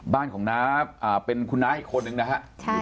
บ้านของน้าเป็นคุณน้าอีกคนนึงนะฮะ